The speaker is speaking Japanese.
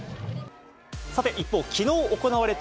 さて、一方、きのう行われた